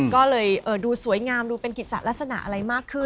ก็เลยดูสวยงามดูเป็นกิจจัดลักษณะอะไรมากขึ้น